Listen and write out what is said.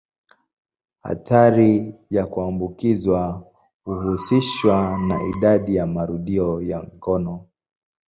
Hatari ya kuambukizwa huhusishwa na idadi ya marudio ya ngono.